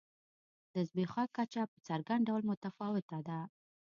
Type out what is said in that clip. د زبېښاک کچه په څرګند ډول متفاوته ده.